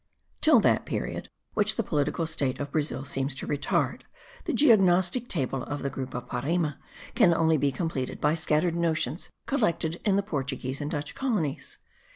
Till that period, which the political state of Brazil seems to retard, the geognostic table of the group of Parime can only be completed by scattered notions collected in the Portuguese and Dutch colonies.